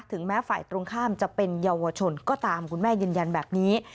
แม้ฝ่ายตรงข้ามจะเป็นเยาวชนก็ตามคุณแม่ยืนยันแบบนี้